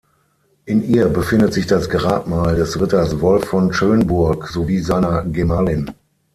In ihr befindet sich das Grabmal des Ritters Wolf von Schönburg sowie seiner Gemahlin.